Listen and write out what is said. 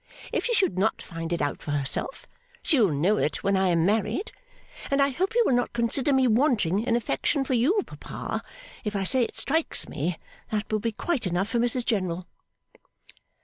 If she should not find it out for herself, she will know it when I am married. And I hope you will not consider me wanting in affection for you, papa, if I say it strikes me that will be quite enough for Mrs General.